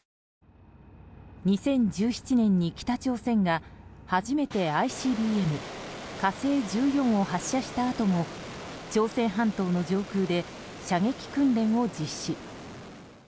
２０１７年に北朝鮮が初めてＩＣＢＭ「火星１４」を発射したあとも朝鮮半島の上空で射撃訓練を実施。